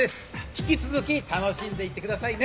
引き続き楽しんでいってくださいね。